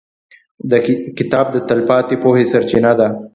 • کتاب د تلپاتې پوهې سرچینه ده.